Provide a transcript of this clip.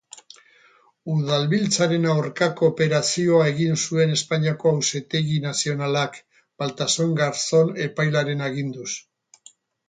Udalbiltzaren aurkako operazioa egin zuen Espainiako Auzitegi Nazionalak, Baltasar Garzon epailearen aginduz.